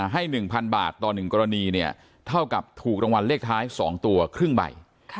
ให้๑๐๐บาทต่อ๑กรณีเนี่ยเท่ากับถูกรางวัลเลขท้าย๒ตัวครึ่งใบ